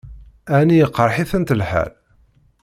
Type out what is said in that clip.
Ɛni iqṛeḥ-itent lḥal?